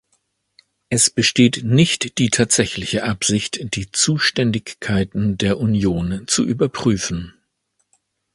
Es besteht nicht die tatsächliche Absicht, die Zuständigkeiten der Union zu überprüfen.